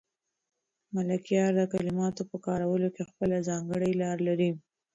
ملکیار د کلماتو په کارولو کې خپله ځانګړې لار لري.